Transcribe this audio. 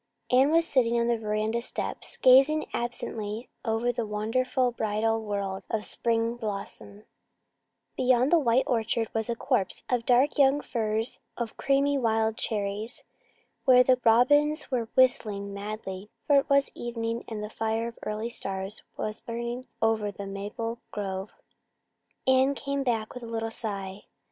Anne was sitting on the veranda steps, gazing absently over the wonderful bridal world of spring blossom, Beyond the white orchard was a copse of dark young firs and creamy wild cherries, where the robins were whistling madly; for it was evening and the fire of early stars was burning over the maple grove. Anne came back with a little sigh.